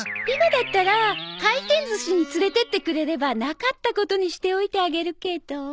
今だったら回転寿司に連れてってくれればなかったことにしておいてあげるけど。